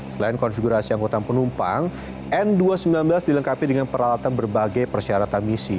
selain konfigurasi anggota penumpang n dua ratus sembilan belas dilengkapi dengan peralatan berbagai persyaratan misi